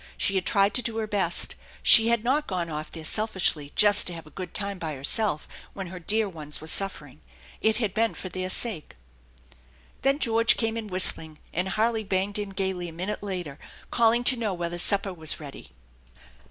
She had tried to do her best. She had not gone off there selfishly just to have & good time by herself when her dear ones were suffering. It had been for their sake. Then George came in whistling, and Harley banged in gayly a minute later, calling to know whether supper waa ready.